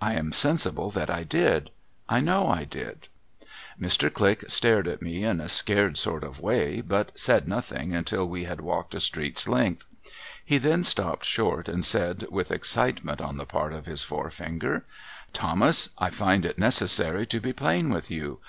I am sensible that I did. I know I did. Mr. Click stared at me in a scared sort of a way, but said nothing until we had walked a street's length. He then stopped short, and said, with excitement on the part of his forefinger :' Thomas, I find it necessary to be plain with you.